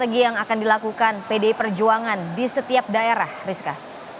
apa yang akan dilakukan pdi perjuangan di setiap daerah rizka